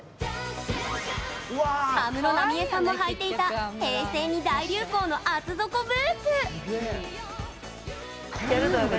安室奈美恵さんも履いていた平成に大流行の厚底ブーツ。